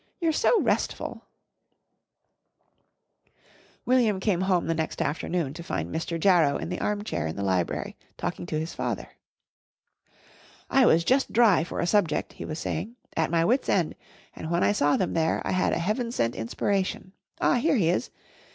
You're so restful." William came home the next afternoon to find Mr. Jarrow in the armchair in the library talking to his father. "I was just dry for a subject," he was saying; "at my wits' end, and when I saw them there, I had a Heaven sent inspiration. Ah! here he is.